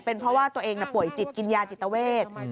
เป็นเพราะว่าตัวเองป่วยจิตกินยาจิตเวท